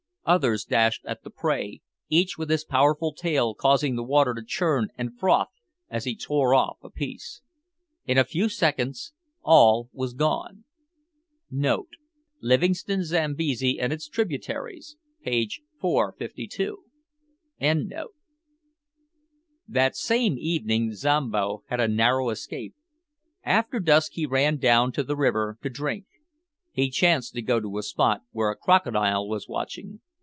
Others dashed at the prey, each with his powerful tail causing the water to churn and froth as he tore off a piece. In a few seconds all was gone. [Livingstone's Zambesi and its Tributaries, page 452.] That same evening Zombo had a narrow escape. After dusk he ran down to the river to drink. He chanced to go to a spot where a crocodile was watching.